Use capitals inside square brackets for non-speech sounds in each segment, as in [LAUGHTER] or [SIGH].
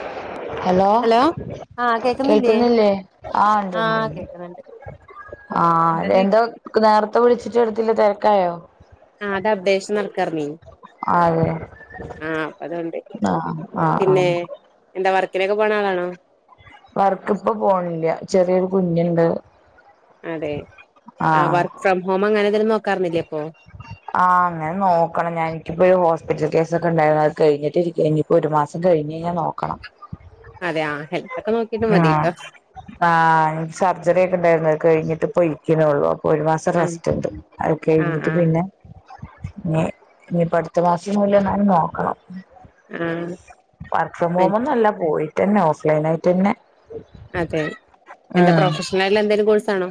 [INAUDIBLE] Hello കേക്കുന്നില്ലേ ആഹ് ണ്ട്ണ്ട്ണ്ട് ആ എന്താ നേർത്തെ വിളിച്ചിട്ട് ചെറുതിൽ തെരക്കായോ ആ അത് അപ്ഡേഷൻ നടക്കാർന്നേ അതെ ആ അപ്പതുകൊണ്ട് ആ ആ ആ പിന്നെ എന്താ വർക്കിനൊക്കെ പോണ ആളാണോ വർക്ക് ഇപ്പ പോണില്ല ചെറിയൊരു കുഞ്ഞ്ണ്ട് അതെ ആ വർക്ക് ഫ്രം ഹോം അങ്ങനെന്തേലും നോ ആ അങ്ങനെ നോക്കണം ഞാൻ എനിക്കിപ്പൊയി ഹോസ് പിറ്റൽ കേസൊക്കെണ്ടായതാ അഹ് കൈഞ്ഞിട്ട് രിക്കെങ്കി പ്പൊരുമാസം കഴിഞ്ഞയിഞ്ഞ നോക്കണം. അതെ ആ ഹെൽ ആ ആ എ സർജറി ണ്ടേയ്ര്ന്നു അഹ് കഴിഞ്ഞിട്ട് പ്പൊ ഇരിക്ക്ണൊള്ളൂ ഒരു മാസം ആഹ് റസ്റ്റ്ണ്ട് അഹ് ആഹ് കൈഞ്ഞിട്ട് ആഹ് പിന്നെ ഞ് ഞ്ഞിപ്പൊ അട്ത്ത മാസം മുതൽ ന്തായാലും നോക്കണം ആഹ് വർകോം വെറ്റ് ഹോമൊന്നൊല്ല പോഴി തന്നെ ഓഫ് ലൈനായി പിന്നെ അതെ എന്താ പ്രൊഫഷണല് എന്തേലും കോഴ്സാണോ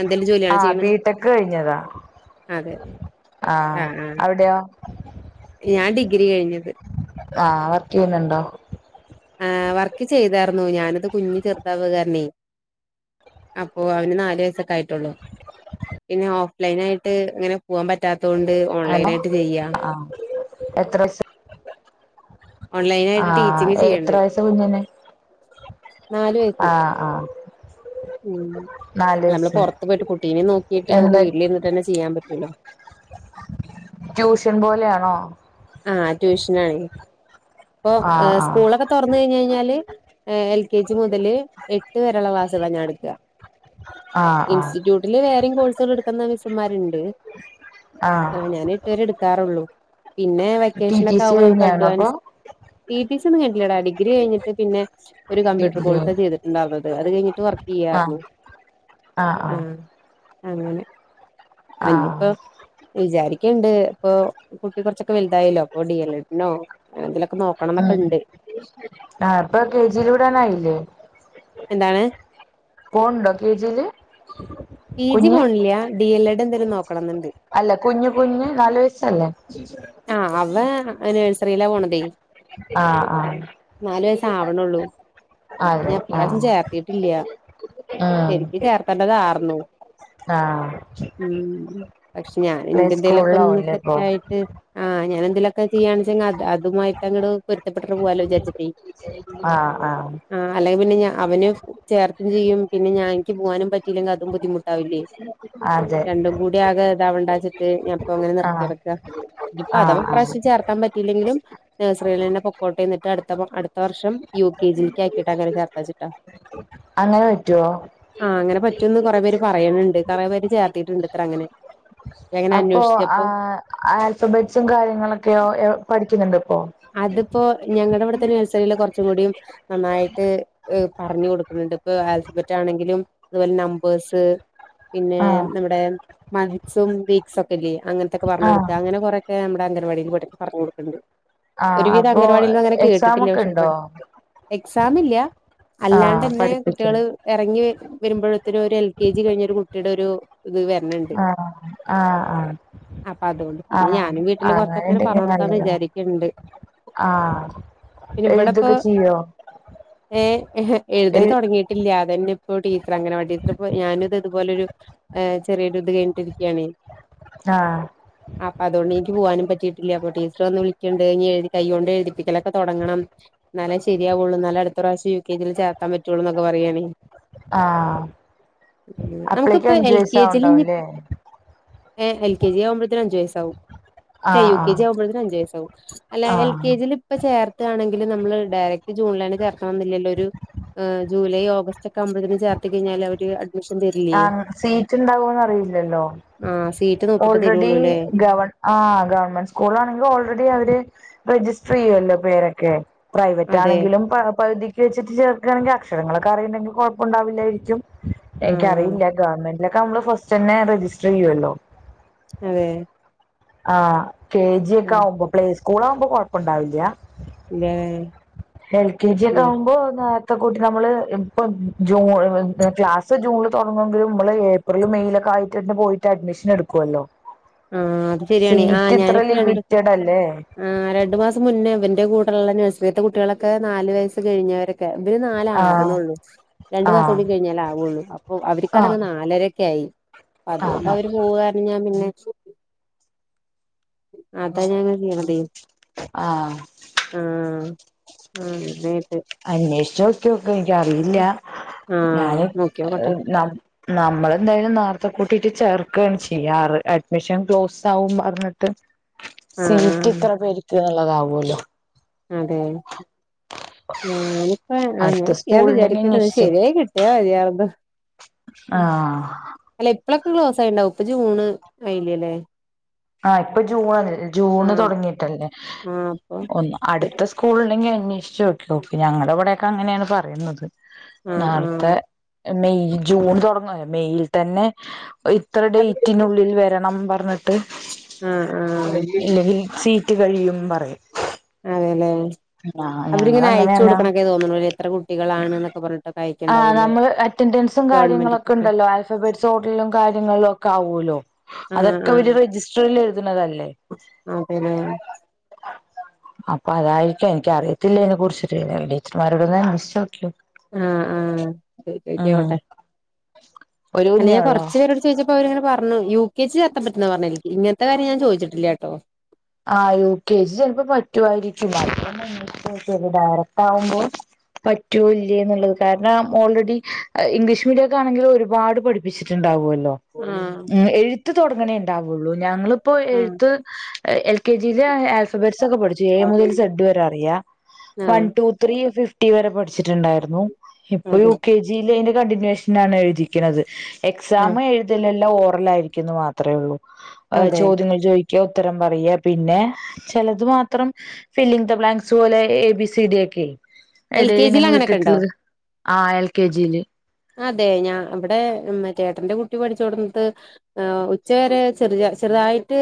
എന്തേലും ജോലിയാണോ ആഹ് ചെയ്യ്ണ് ബിടെക് കഴിഞ്ഞതാ അതെ ആഹ് ആ ആ അവിടെയോ ഞാൻ ഡിഗ്രി കഴിഞ്ഞത് ആ വർക്കെയ്യുന്നുണ്ടോ ആ് വർക്ക് ചെയ്താർന്നു ഞാനത് കുഞ്ഞ് ചെറുതാവകാരണെ അപ്പൊ അവന് നാല് വയസ ക്കായിട്ടുള്ളൂ പിന്നെഒ ലൈനായിട്ട് എങ്ങനെ പൂവാ പറ്റാത്തോണ്ട് ഹലോ ഓൺലൈനായിട്ട് ചെയ്യാം ആഹ് എത്ര വയസ് ഓൺലൈനായിട്ട് ടീച്ചിങ് ആഹ് എത്ര ചെയ്യണ്ട് വയസ്സാ കുഞ്ഞിന് നാല് വയസ്സ് ആഹ് ആഹ് ഉം നാല് അല്ലമ്മള് വയസ്സ് പൊറത്ത് പോയിട്ട് കുട്ടീനെ നോക്കീട്ട് നമുക്ക് എന്താ വീട്ടിലിര്ന്ന്ട്ടന്നെ ചെയ്യാൻ പറ്റ [UNINTELLIGIBLE] ട്യൂഷൻ പോലെയാണോ പ്പൊ ആഹ് ആഹ് സ്കൂളൊക്കെ തുറന്ന്‌ കഴിഞ് കഴിഞ്ഞാൽ ല് എ എൽ കെ ജി മുതല് എട്ട് വരെള്ള ക്ലാസുകളാ ഞാൻ എടുക്കാ ആഹ് ആഹ് ഇൻസ്റ്റിറ്റ്യൂട്ടില് വേറേം കോഴ്സുകൾ എടുക്കുന്ന മിസ്സ്മാരുണ്ട് ആ ആഹ് ഞാനെട്ട് വരെ എടുക്കാറുള്ളു പിന്നെ ടി ടി വെക്കേഷനൊക്കെ സി ആവുമ്പോ നമുക്ക് കഴിഞ്ഞാണോ അപ്പൊ അഡ്വാൻസ് ടിടിസി ഒന്നും കഴിഞ്ഞിട്ടില്ലടാ ഡിഗ്രി കഴിഞ്ഞിട്ട് പിന്നെ ഒരു കമ്പ്യൂട്ടർ ഡിഗ്രി കോഴ്സ ചെയ്തിട്ടുണ്ടായിുന്നത് അത് കഴിഞ്ഞിട്ട് വർക്ക് ആഹ് ചെയ്യരുന്നു ആഹ് ആ ആഹ് അങ്ങനെ അ ഇനിയിപ്പോ ആഹ് വിചാരിക്കണ്ട് ഇപ്പൊ കുട്ടി കുറച്ച് വൽതായല്ലോഅപ്പോ ഡി അലോട്നോ അല്ല [INAUDIBLE] ഉ ആ ഇപ്പൊ കെ ജിയില വിടാന ആയില്ലേ എന്താണ് പോൺണ്ടോ കെജിയില് പി ജി കുഞ്ഞ് പോണില്ല ഡി എൽ എഡ് എന്തേലും നോക്കണംന്നുണ്ട് അല്ല കുഞ്ഞ് കുഞ്ഞ് നാലവയസല്ലേ ആഹ് അവ ന [INAUDIBLE] സ്ത്രീല പോണത് ആഹ് നാലവയസ് ആവണള്ളൂ ആഹ് അതെ പിന്നെ ആഹ് ഇപ്രാവശ്യം ചേർത്തിട്ടില്ല ഉം ശരിക്കും ചേർത്തേണ്ടതാർന്നു ആഹ് ഉ പക്ഷെ ഞാൻ പ്ലേ എന്റെ എന്തേലൊക്കെ ഒന്ന് സ്കൂളിലാവുല്ലേ ഇപ്പൊ സെറ്റായിട്ട് ആ ഞാനൻ ഇതിലൊക്കെ ചെയ്യയാണെങ്ക അതുമായി [INAUDIBLE] ഇഷ്ടപെട്ടിട്ട് പോവാലോ വിചാച്ചട്ട ആഹ് ആഹ് ആ അല്ലെങ്കിൽ പിന്നെ അവന് ചേർത്തും ചെയ്യും പിന്നെ ഞാനിക്ക് പോകാനും പറ്റും ട്ടിലെങ്കി അതും ബുദ്ധിമുട്ടാവില്ലേ അതെ രണ്ടും കൂടി ആകെ ഇതാവണ്ടച്ചിട്ട് ഞൻപ്പ അങ്ങനെ ആഹ് നിർത്തിയെടുക്ക ഇപ്പൊ ആഹ് അഥവാ ഇ ആഹ് പ്രാശ്യം ചേർക്കാൻ പറ്റിയില്ലെങ്കിലും നഴ്സറിന്റെ പൊക്കട്ടയും് [UNINTELLIGIBLE] അടുത്ത വർഷം യു കെ ജില് ക്ക് ആക്കിട്ട് അങ്ങനെ ചേർത്തച്ചിട്ടാ അങ്ങനെ പറ്റുവോ ആ അങ്ങനെ പറ്റുന്ന് കൊറെേ പേര് പറയാണ് ണ്ട് കൊറേ പേര് ചേർത്തിട്ടുണ്ട് അപ്പൊ ആ ആൽഫബറ്റ്സും കാര്യങ്ങളൊക്കെയോ എ പഠിക്കു അതിപ്പോ ഞങ്ങളടെ ഇവിടത്തെ നഴ്സറിൽ കുറ കുറച്ചും കൂടി നന്നായിട്ട് ഇ പറഞ്ഞു കൊടുക്കുന്നുണ്ട് ഇപ്പൊ ആൽഫബെറ്റ് ആണെങ്കിലും അതുപോലെ നമ്പേസ് പിന്നെ ആഹ് നമ്മുടെ മന്ത്സ്സും വീക്സൊക്കെ ശരിയ അങ്ങൻ ത്തെക്കെ ആഹ് പറഞ്ഞൊടുക്ക അങ്ങനെകൊറേക്ക നമ്മടെ അംഗൻ [UNINTELLIGIBLE] പറഞ്ഞ് കൊടുക്കണ്ട് ആഹ് ഒരുവിധം അപ്പൊ അംഗൻവാടിൽ അങ്ങനെ എക്സാം കേട്ടിട്ടില്ല ഒക്കെ പക്ഷെ ഉണ്ടോ ഇവിടെ എക്സാം ഇല്ല ആഹ് അല്ലാണ്ടന്നെ പഠിപ്പിക്കുന്നു കുട്ടികള് എ റങ്ങി വരുമ്പോഴത്ത ഒരു എൽ കെ ജി കഴിഞ്ഞൊരു കുട്ടിയുടെ ഒരു ഇത് വരണണ്ട് ആ ആ അപ്പൊ അതുകൊണ്ട് ആ പിന്നെ ആ അങ്ങെനെണ്ടെങ്കില്‍ നല്ലത പിന്ന ഇവിടെ ഇപ്പോ എഴുതൊക്കെ ചെയ്യോ എ ഏ എഴുതൽ എഴു തുടങ്ങിട്ടില്ലാതന്നെ ഇപ്പോ ടീച്ചർ അങ്ങനവാ ടീച്ചർപ്പോ ഞാനും ഇത് ഇതുപോലെരു ചെറിയരുത് കഴിഞ്ഞിട്ട് ഇരിക്കാണെ ആഹ് അപ്പൊ അതൊണ്ട് എനിക്ക് പോവാനും പറ്റിട്ട് ഇല്ല അപ്പോ ടീച്ചർ വന്ന് വിളി ഇണ്ട് ഇനി എഴുതി കൈ കൊണ്ട് എഴുതിപ്പിക്കലക്കെ തുടങ്ങണം ന്നാലേ ശരിയാവുള്ളൂന്നാലേ അടുത്ത പ്രാവശ്യം യു കെ ജി ൽ ചേർത്താൻ പറ്റുള്ളൂന്നൊക്കെ പറയാണേ ആഹ് നമുക്കിപ്പ അപ്പളേക്കും അഞ്ചു എൽ വയസ്സ് കെ ജിൽ ന്നി ആവുണ്ടാവുംല്ലേ ഏ എൽ കെ ജി ആമ്പഴത്തേനഞ്ചു വയസ് സൗ എ യു കെ ആഹ് ജി ആവുമ്പോ അഞ്ച് വയസ്സാവും അല്ല എൽ ആഹ് ആഹ് കെ ജിൽ ഇപ്പ ചേർത്താണെങ്കി നമ്മള് ഡയറക് ജൂണിലന്നെ ചേർക്കണം ന്നില്ലല്ലോ ഒരു ജൂലൈ ഓ [UNINTELLIGIBLE] ചേർത്ത് കഴിഞ്ഞൽ അവര് അഡ്മിഷൻ തരില്ലേ ആ സീറ്റ് ഇണ്ടാവോന്ന് അറിയില്ലല്ലോ ആഹ് സീറ്റ് നോക്കിട്ട് ഓൾറെഡി തരുള്ളൂല്ലേ ഗവ ആ ഗവൺമെന്റ് സ്കൂളാണെങ്കിൽ ഓൾറ അവര് രജിസ്റ്റർയ്യല്ലോ പേരൊക്കെ പ്രൈവറ്റ് അതെ ആണെങ്കിലും പകുതി വച്ചിട്ട് ചേർക്കണെങ്കി അക്ഷരങ്ങളൊക്കെ അറിയണ്ടെങ്കിൽ കുഴപ്പ ഉണ്ടാവില്ലായിരിക്കും ആഹ് എനിക്കറിയില്ല ഗവൺമെന്റ് ഇലൊക്കെ മ്മള് ഫസ്റ്റ്ന്നെ രജിസ്റ്റർ ചെയ്യോല്ലോ അതെ ആഹ് കെ ജി ഒക്കെ ആഹ് ആകുമ്പോ പ്ലേസ് സ്കൂള ആകുമ്പോ കുഴപ്പമുണ്ടാവൂല്ല ഉലാ എൽക ജിക്കകുമ്പോ ഒ ഇത്തെ കൂട്ടി നമ്മള് ഇപ്പ ക്ലാസ് ജൂണില് തുടങ്ങുമെങ്കിലും നമ്മള് ഏപ്രിൽ മെയയിലൊക്കെ ആയിട്ട് പോയിട്ട് അഡ്മിഷൻ എടുക്കുവല്ലോ ആ അത് ശരിയാണ് ആ സീറ്റ് ഇത്ര ഞാനിപ്പ രണ്ട് ലിമിറ്റഡ് അല്ലേ ആ രണ്ടു മാസം മുന്നേ ഇവന്റെ കൂടെള്ളന് ഇപഴത്തെ കുട്ടികളൊക്കെ നല് വയസ്സ് കഴഞ്ഞവര ഇവര് നാല ആഹ് ആാവണള്ളൂ രണ്ടു മാസ ആഹ് കൂട കഴിഞ്ഞാല ആാവുള്ളൂ അപ്പൊ ആഹ് അവർക്ക്ടങ്ങ് നാലരക്കെ ആയി അപ്പ ആഹ് അതുകൊണ്ട് അവര് ആഹ് പോവഞ്ഞഞാൻ പിന്നെ അതാ ഞങ്ങൾ ചെയ്യണത്യ ആഹ ആഹ ആ അന്വേഷിച്ച നോക്കോ എനിക്കറില്ല ആഹ് നോക്കിയോക്കട്ടെ ഞ നമ്മള എന്തായാലും നത്തെ കിട്ടീട്ട് ചേർക്കുകയാണ് ചെയ്യാറ് അഡ്മിഷൻ ക്ലോസ് ആകും പറഞ്ഞിട്ട് ആഹ് സീറ്റ് ആഹ് ഇത്ര പേർക്ക് അതാവൂല അതെ ഞാനിപ്പ അങ്ങനെ അടുത്ത ചെയ്യാന്ന് സ്കൂളുണ്ടെങ്കി വിചാരിക്കട്ടെ അന്വേഷിച്ചോ ശരിയ കിട്ടിയാ മതിയാറത് ആഹ് അല്ല ഇപ്പള ക്ലോസ് ആയി ഉണ്ടാവുംപ്പ ജൂണ് ആയില്ലല്ലേ ആഹ ഇപ്പൊ ജൂൺല്ല ജൂണ് ആഹ് തുടങ്ങിട്ടല്ലേ ആഹ് അപ്പൊ ഒ അടുത്ത വരും സ്കൂള ഉണ്ടെങ്കിൽ അന്വേഷിച്ചച്ച് നോക്കി ഞങ്ങളുടെ ഇവടെൊക്കെ അങ്ങെയാണ് പറയുന്നത് ആ ആ നേരത്തെ ആ മെയ് ജൂൺ തുടങ്ങവല്ലേ മെയ് തന്നെ ഇത്ര ഡേറ്റിനുള്ളിൽ വരണം പറഞ്ഞിട്ട് ആഹ ആ ഇല്ലെങ്കിൽ സീറ്റ് കഴിയും പറയും അതെയല്ലെ ആഹ് അവരിങ്ങനെ അയച്ചു കൊടുക്കണൊക്കെ തോന്നണേ ത്ര [INAUDIBLE] ആ നമ്മള് അറ്റൻറൻസും കാര്യങ്ങളൊക്കെ ഗവൺമെന്റിക്കൊക്കെ ഉണ്ടല്ലോ അൽഫബേറ്റ്സ് ഹോട്ടലും കാര്യങ്ങളിലും ഒക്കെ ആവല്ലോ അതൊക്കെ രജിസ്റ്ററിൽ അതല്ല അതന്നെ അപ്പൊ അതായിരിക്കും എനിക്ക അറിയത്തില്ല അതിനെ കുറിച്ചിട്ട് ടീച്ചർമാരോടകേ ഓ ആഹ് ആഹ് ചോയിച്ചു നോക്കട്ടെ ഒരു ഞാൻ കുഞ്ഞേള്ളോ കൊറച്ചു പേരോട് ചോദിച്ചപ്പോ അവരങ്ങനെ പറ [INAUDIBLE] യു കെ ജി ചേർത്തപ്പോ പറഞ്ഞു ഇങ്ങത്തെ കാര്യം ഞാൻ ചോദിച്ചിട്ടില്ലട്ടോ ആഹ് യു കെ ജി ചിലപ്പോ പറ്റുവായിരിക്കും മാത്ര [INAUDIBLE] ഇംഗ്ലീഷ് ഡയറക്ട് ആവുമ്പോൾ പറ്റൂല്ലേ എന്നുള്ളത് കാരണം ഓൾറെഡി ഇംഗ്ലീഷ് മീഡിയം ഒക്കെ ആണെങ്കിൽ ഒരുപാട് പഠിപ്പിച്ചിട്ടുണ്ടാവുവല്ലോ ആഹ് എഴുത്ത് തുടങ്ങണെ ഉണ്ടാവുള്ളൂ ഞങ്ങളിപ്പോ ആഹ് എഴുത്ത് എൽ കെ ജിെ ആൽഫബെറ്റ്സ് ഒക്കെ പഠിച്ചു എ മുതൽ സെഡ് വരെ അറിയാം വൺ ആഹ് ടു ത്രീ ഫിഫ്- [UNINTELLIGIBLE] വരെ പഠിച്ചിട്ടുണ്ടായിരുന്നു ഇപ്പൊ യു അതെ കെ ജിൽ അയിന്റ് കണ്ടിന്യുവേഷനാണ് എഴുതിക്കുന്നത് എക്സാം ആഹ് എഴുതില് ഓറലായിരിക്കുമെന്ന് മാത്രവേ ഉള്ളൂ ആ അതെ ചോദ്യങ്ങൾ ചോദിക് [UNINTELLIGIBLE] പറയാ പിന്നെ ചിലത് മാത്രം ഫിൽഇൻ താ ബ്ലാങ്ക്സ് പോലെ എ ബി സി ഡിയോക്കെ എൽ കെ ജിൽ അങ്ങനെയൊക്കെ ഉണ്ടോ ആഹ് എൽ കെ ജിയില് അതെ ഞാൻ ഇവിടെ മറ്റെ ചേട്ടന്റെ കുട്ടി പഠിചോടത്ത് ഉച്ച വരെ ചെറിയെ ചെറുതായിട്ട്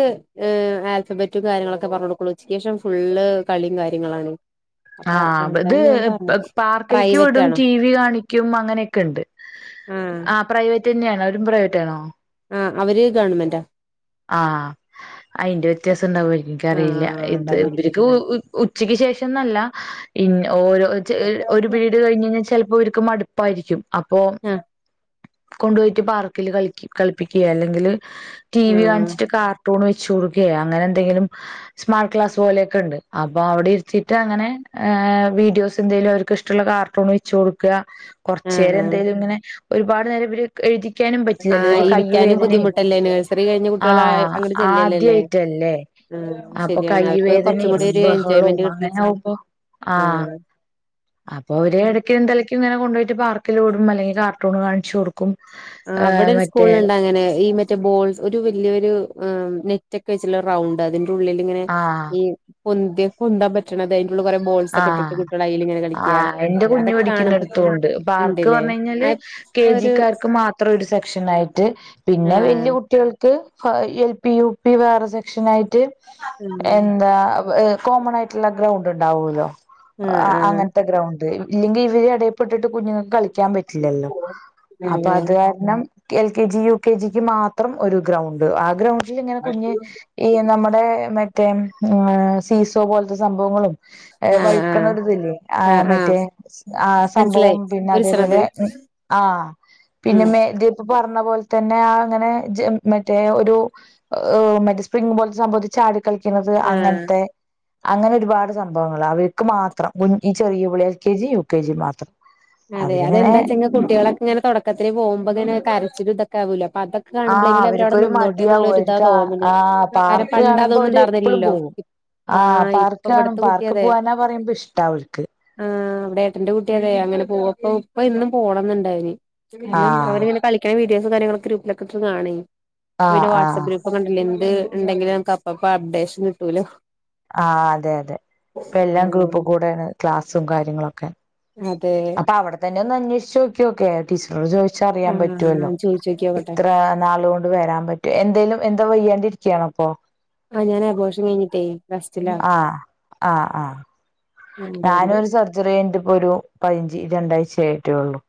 ഏ ആൽഫബറ്റും കാര്യങ്ങളൊക്കെ പറഞ്ഞു കൊടുക്കളൂ ഉച്ചയ്ക്ക് ശേഷം ഫുള്ള് കളിയും കാര്യങ്ങളാണ് അപ്പൊ ആഹ് അതാ ഞാൻ പറഞ്ഞത് അത് പാർക്കിലക്ക് പ്രൈവറ്റ് വിടും ആണോ ടി വി കാണിക്കും അങ്ങനെയൊക്കെ ആഹ് ആ പ്രൈവറ്റ് അവിടെതന്നെയാണോ അതും പ്രൈവറ്റ് ആണോ ആഹ് അവര് ഗവൺമെന്റാ ആഹ് അയിന്റെ വ്യത്യാസം ഉണ്ടാവും എനിക്കറിയില്ല ആഹ് ഇത് ഉണ്ടാവുമായിരിക്കും ഇവർക്ക് ഉച്ചയ്ക്ക് ശേഷംന്നല്ല ഇങ്ങ് ഓരോ ചെ ഒരു പീരീഡ് കഴിഞ്ഞഞ് കഴിഞ്ഞാൽ ചിലപ്പോ ഇർക്ക് മടുക്കു പ്പായിരിക്കും അപ്പോ ആഹ് കൊണ്ടു പോയിട്ട് പാർക്കിൽ കളിക്കും കളിപ്പിക്കുക അല്ലെങ്കില് ടി വി ആഹ് കാണിച്ചിട്ട് കാർ ട്ടുണ് വെച്ച് കൊടുക്കുകയേ അങ്ങനെ എന്തെങ്കിലും സ്മാർട്ട് ക്ലാസ് പോലെയൊക്കെ ഉണ്ട് അപ്പൊ അവിടെ ഇരുത്തിട്ട് അങ്ങനെ വീഡിയോസ് എന്തേങ്കിലും അവർക്ക് ഇഷ്ടമുള്ള കാർട്ടൂൺ വെച്ച് കൊടുക്കുക ആഹ് കൊറച്ചുപേരെ ആഹ് എന്തായലും ഇങ്ങനെ ഒരുപാട് നേരം ഇവരെക് എഴുതി വേക്കാനും പറ്റില്ലല്ലോ ആഹ് ഒരു കൈ ഇരിക്കാനും വേദനയും ബുദ്ധിമുട്ടല്ലേ നഴ്സറി കഴിഞ്ഞ കുട്ടികളെ ആഹ് അങ്ങോട്ട് ആദ്യാ ചെല്ലല്ലല്ലേ ആയിട്ടല്ലേ ആഹ് അപ്പൊ ശരിയാണ് കൈ അവർക്ക് കുറച്ചും വേദനയും കൂടി ഒരു ബഹളവും എൻജോയ്മെന്റ് കിട്ടണം അങ്ങനെ ആകുമ്പോ ആഹ് അപ്പൊ ഒരേ ഇടയ്ക്കും തലയ്ക്കും ഇങ്ങനെ കൊണ്ടപോയി പാർക്കിലോടും അല്ലെങ്കി കാർട്ടൂൺ കാണിച്ചുകൊടു ആ വിടെ ഒരു സ്കൂളില്ണ്ട് അങ്ങനെ ഈ മറ്റേ ബോൾ ഒരു വല്യരു നെറ്റ് ഒക്കെ വെച്ച്ള്ള റൗണ്ട് അതി ഉള്ളിലിങ്ങനെ ആഹ് ഈ ഉന്ത്യപ്പുന്താൻ പറ്റ്ണതായിരി ള്ള് കൊറേ ബോൾസൊക്കിട്ടിട്ട് ആഹ് കുട്ടികളൾ അയ്ൽ ഇങ്ങനെ കളിക്കാ ആഹ് എന്റെ കുഞ്ഞു അതൊക്കെ കാണുമ്പത്തന്നെ പഠിക്കുന്നിടത്തുണ്ട് പാർക്ക് ഉണ്ടല്ലേ പറഞ്ഞു കഴിഞ്ഞാല് കെ അപ്പ ഒരു ജിക്കാർക്ക് മാത്രം ഒരു സെക്ഷൻ ആയിട്ട് പിന്നെ വല്യ ആഹ് കുട്ടികൾ എൽ പി യു പി വേറെ സെക്ഷൻ ആയിട്ട് ഉം എന്താ കോമൺ ആയിട്ടുള്ള ഗ്രൗണ്ട് ഉണ്ട് ഉണ്ടാവോലോ ആഹ് ആ ആഹ് അങ്ങനത്തെ ഗ്രൗണ്ട് ഇല്ലെങ്കിൽ ഇവര് എടയിൽപ്പെട്ടിട്ട് കുഞ്ഞുങ്ങൾക്ക് കളിക്ക ക്കാൻ പറ്റില്ലല്ലോ അപ്പൊ അതെ അത് കാരണം L K G U K ജിക്ക് മാത്രം ഒരു ഗ്രൗണ്ട് ആ ഗ്രൗണ്ട് ഇങ്ങനെ കുഞ്ഞ് ഈ നമ്മുടെ മ മറ്റേ സീസോ പോലത്തെ സംഭവങ്ങളും ആഹ് വഴുക്കണ ആഹ് ഒര്തില്ലേ ആ ആഹ് ആഹ് മറ്റേ ആ സംഭവം മനസ്സിലായി പിന്നെ ഒരു സ്ഥലത് അതേപോലെ ആ പിന്നെ ഉം മേ പറഞ്ഞ പോലെ തന്നെ ആ അങ്ങനെ മറ്റേ ഒരു മറ്റേ സ്പ്രിംഗ്‌ പോലത്തെ സംഭവത്തിൽ ചാടി കളിക്കുന്നത് ആഹ് അങ്ങനത്തെ അങ്ങനെ ഒരുപാട് സം ഭവങ്ങൾ അവർക്ക് മാത്രം ഈ ചെറിയപിള്ളേർക്ക് L K G U K G മാത്രം അതെ അവരിങ്ങനെ അതെന്താച്ചാങ്ങ് കുട്ടികളൊക്കെ ഇങ്ങെനെ തുടക്കത്തിലേ പോവുമ്പോ ഇങ്ങനെ കരച്ചിലും തൊക്കെ ആവോലോ ആഹ് അവർക്കൊരു മടിയാവും ഇതാ അവർക്ക് ആ തോന്നുണു ആ കാരണം പാർക്ക് പണ്ട് കാണുമ്പോ അതൊന്നും അവര് എപ്പളും ഉണ്ടാർന്നില്ലല്ലോ പോകും ആഹ് ഇപ്പൊ പാർക്ക് ഇവിടത്തെ കാണുമ്പ കുട്ടി പാർക്ക് അതെ പോവാനാ പറയുമ്പോ ഇഷ്ട് ഓൽക്ക് ആഹ് ഇവിടെ ഏട്ടന്റെ കുട്ടി അതെ അങ്ങനെ പോവും ഇപ്പ എന്നും പോണംന്നുണ്ടായിനി ആ കാരണം അവരിങ്ങനെ കളിക്കാൻ വി [UNINTELLIGIBLE] ഗ്രൂപ്പിലൊക്കെ കാണേ ആ പിന്നെ ആ വാട്സആപ്പ് ഗ്രൂപ്പ് കണ്ടില്ലേന്ന് ഉണ്ടെങ്കില് നമ്മക്ക് അപ്പപ്പൊ അപ്ഡേഷൻ കിട്ടൂലോ ആഹ് അതെ അതെ ഇപ്പ എല്ലാം ഗ്രൂപ്പ്ക്കൂടെയാണ് ക്ലാസ്സും കാര്യങ്ങളൊക്കെ അതേ പ്പ അവിടെത്തന്നെ ഒന്ന് അന്വേഷിച്ച് നോക്കിയോക്കെ ടീച്ചറോട് ചോ ച്ചറിയാൻ ആഹ് പറ്റുവല്ലോ ചോയിച്ചോക്കിയോക്കട്ടെ ഇത്ര നാളു കൊണ്ട് വരാൻ പറ്റും എന്തേലും എന്താ വയ്യണ്ടിരി ഒക്കെയാണപ്പോ ആഹ് ഞാനാ അബോർഷൻ കഴിഞ്ഞിട്ടേ റെസ്റ്റിലാ ആഹ് ആഹ് ആഹ് അതുകൊണ്ട് ഞാനൊരു സർജറി കഴിഞ്ഞിട്ടിപ്പൊ ഒരു ക [UNINTELLIGIBLE] രണ്ടാഴ്ച ആയിട്ടേ ഇള്ളൂ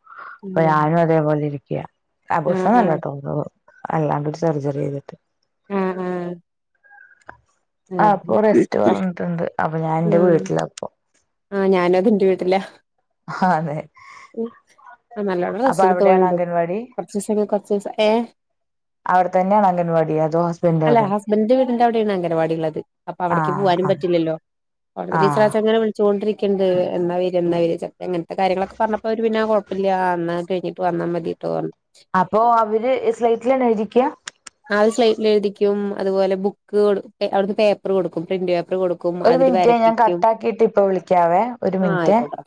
അപ്പൊ അതെ ഞാനും അതേപോലെ ഇരി [UNINTELLIGIBLE] ആഹ് അബോർഷനല്ലാട്ടോ അല്ലാണ്ടു സർജറി ചെയ്തിട്ട് ആ ആഹ് ആ അപ്പൊ അങ്ങനെ റസ്റ്റ് പറഞ്ഞിട്ടുണ്ട് അപ്പൊ ഞാൻ എന്റെ വീട്ടിലാപ്പോ ആ ഞാനും അതെ ന്റെ വീട്ടിലാ അതെ ആ നല്ലോണം അപ്പൊ റസ്റ്റ് അവിടെയാണോ എടുത്തോളണ്ടു അംഗൻവാടി കുറച്ച ദിവസ കുറച്ച ദിവസം ഏ അവിടെ തന്നെയാണ് അംഗൻവാടി അതോ ഹസ്ബൻഡ് അല്ല അവിടെ ഹസ്ബൻഡിന്റെ വീടിന്റെ അവിടെയാണ് അംഗനവാടി ഇളളത് അപ്പ അവിടക്ക് ആഹ് പോവാനും ആഹ് പറ്റില്ലല്ലോ അവിടത്തെ ടീച്ചർ ആ ആഹ് ചെങ്ങായ്‌നെ വിളചോണ്ട് ണ്ടിരിക്കണ്ട് എന്നാ വര്യ എന്നാ വര്യ ഇ ങ്ങനത്തെ കാര്യങ്ങളൊക്കെ പറഞ്ഞപ്പോൾ അവര് പിന്നെ കൊഴപ്പൊന്നു ഇല്ല്യാ എന്ന കഴിഞ്ഞിട്ട് വന്നാൽ മതിട്ടൊന്ന് പറഞ്ഞു അപ്പൊ അവര് സ്ലേറ്റിലാണെഴുതിക്ക്യാ അവര് സ്ലൈറ്റിൽ എഴുതിക്കും അതുപോലെ ബുക്ക്‌ കൊടുക്കും അവൾക്ക് പേപ്പർ കൊടുക്കും പ്രിന്റ് പേപ്പർ കൊടുക്കും ഒരു അതില് മിനിറ്റ് ഞാൻ കട്ട വരപ്പിക്കും ആക്കിട്ട് ഇപ്പ വിളിക്കാവേ ഒരു ആഹ് മിനിറ്റ് ആയിക്കോട്ടെ